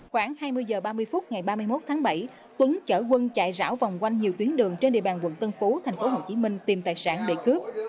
khoảng hai mươi h ba mươi phút ngày ba mươi một tháng bảy tuấn chở quân chạy rão vòng quanh nhiều tuyến đường trên địa bàn quận tân phú tp hcm tìm tài sản để cướp